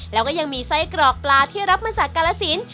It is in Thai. แล้วก็ยังมีไส้กรอกปลาที่รับมาจากกาลสิน